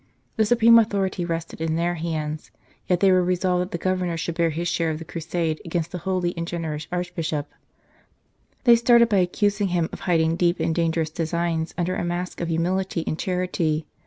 The supreme authority rested in their hands, yet they were resolved that the Governor should bear his share of the crusade against the holy and generous Archbishop. They started by accusing him of hiding deep and dangerous designs under a mask of humility and charity.